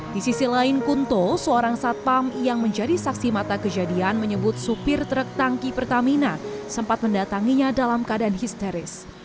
di sisi lain kunto seorang satpam yang menjadi saksi mata kejadian menyebut supir truk tangki pertamina sempat mendatanginya dalam keadaan histeris